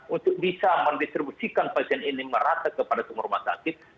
untuk bisa mendistribusikan pasien ini merata kepada semua rumah sakit